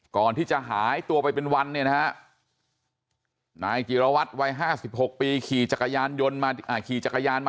ก่อนที่จะหายตัวไปเป็นวันเนี่ยนะฮะนายจีรวัตรวัยห้าสิบหกปีขี่จักรยานยนต์มาอ่า